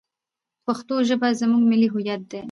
پښتو ژبه زموږ ملي هویت دی.